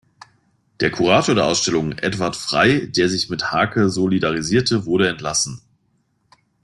Der Kurator der Ausstellung, Edward Frey, der sich mit Haacke solidarisierte, wurde entlassen.